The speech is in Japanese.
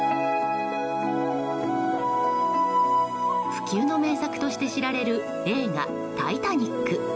不朽の名作として知られる映画「タイタニック」。